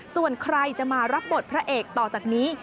ส่วนใครจะมารับบทพระเอกต่อจากนี้